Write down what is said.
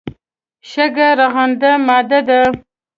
شګه رغنده ماده ده.